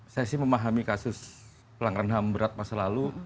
saya sih memahami kasus pelanggaran ham berat masa lalu